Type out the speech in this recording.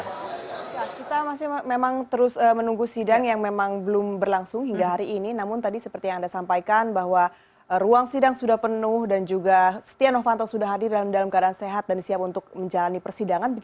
kita masih memang terus menunggu sidang yang memang belum berlangsung hingga hari ini namun tadi seperti yang anda sampaikan bahwa ruang sidang sudah penuh dan juga setia novanto sudah hadir dalam keadaan sehat dan siap untuk menjalani persidangan